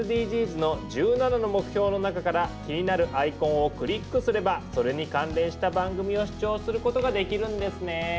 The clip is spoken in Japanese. ＳＤＧｓの１７の目標の中から気になるアイコンをクリックすればそれに関連した番組を視聴することができるんですね。